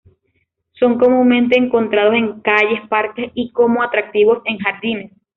Son comúnmente encontrados en calles, parques, y como atractivos en jardines.